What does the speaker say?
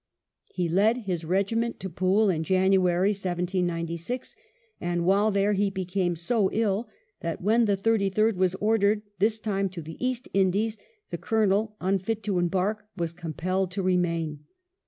He led his regiment to Poole in January 1796, and while there he became so ill that when the Thirty third was ordered this time to the East Indies, the Colonel, unfit to embark, was compelled to remain.